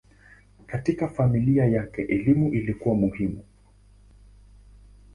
Katika familia yake elimu ilikuwa muhimu.